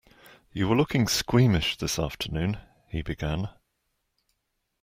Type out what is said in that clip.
You were looking squeamish this afternoon, he began.